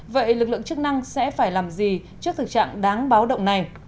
vậy lực lượng chức năng sẽ phải làm gì trước thực trạng đáng báo động này